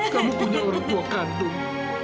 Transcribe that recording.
kamu punya orang tua kandung